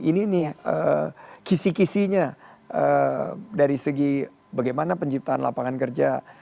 ini nih kisi kisihnya dari segi bagaimana penciptaan lapangan kerja